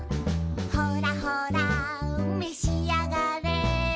「ほらほらめしあがれ」